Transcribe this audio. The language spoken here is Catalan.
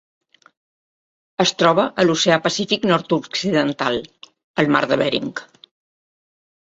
Es troba a l'Oceà Pacífic nord-occidental: el Mar de Bering.